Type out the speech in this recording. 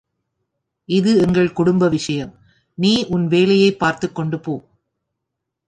இது எங்கள் குடும்ப விஷயம், நீ உன் வேலையைப் பார்த்துக்கொண்டு போ.